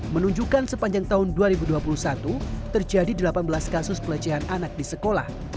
menunjukkan sepanjang tahun dua ribu dua puluh satu terjadi delapan belas kasus pelecehan anak di sekolah